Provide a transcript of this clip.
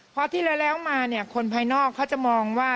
เพราะที่แล้วมาเนี่ยคนภายนอกเขาจะมองว่า